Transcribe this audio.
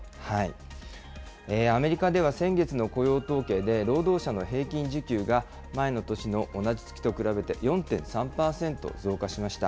アメリカでは、先月の雇用統計で、労働者の平均時給が前の年の同じ月と比べて、４．３％増加しました。